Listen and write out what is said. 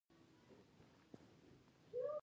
واړه شيان د ليدلو وړ نه دي.